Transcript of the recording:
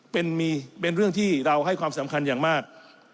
เป็นเป็นเรื่องที่เราให้ความสำคัญอย่างมาก